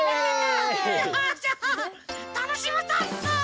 じゃあたのしむざんす！